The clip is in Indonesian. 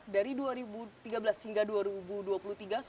dari dua ribu tiga belas hingga dua ribu dua puluh tiga